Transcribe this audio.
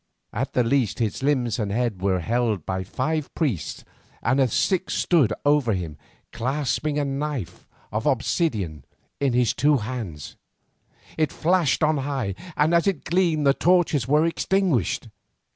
At the least his limbs and head were held by five priests, and a sixth stood over him clasping a knife of obsidian in his two hands. It flashed on high, and as it gleamed the torches were extinguished.